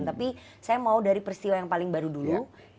tapi saya mau dari peristiwa yang paling baru dulu